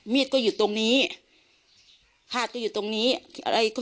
มีดก็อยู่ตรงนี้หาดก็อยู่ตรงนี้